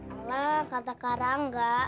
alah kata karangga